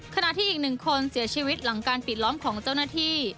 ขณะที่อีกหนึ่งคนเสียชีวิตหลังการปิดล้อมของเจ้าหน้าที่